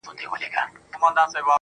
زموږ ملا صاحب هغه زړه سرُنا وايي~